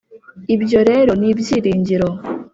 ibyo rero nibyiringiro